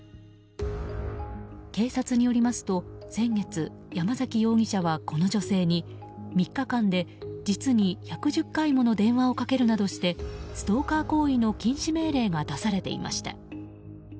警察によりますと先月、山崎容疑者はこの女性に３日間で実に１１０回もの電話をかけるなどしてストーカー行為の禁止命令が出されていました。